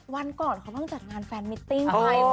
วันก่อนเขาเพิ่งจัดงานแฟนมิตติ้งไป